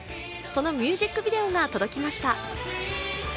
そのミュージックビデオが届きました。